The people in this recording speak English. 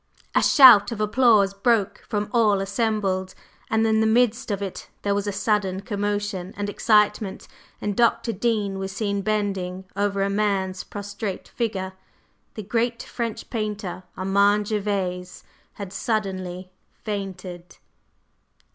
A shout of applause broke from all assembled, and in the midst of it there was a sudden commotion and excitement, and Dr. Dean was seen bending over a man's prostrate figure. The great French painter, Armand Gervase, had suddenly fainted.